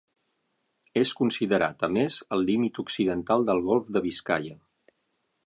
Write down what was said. És considerat, a més, el límit occidental del golf de Biscaia.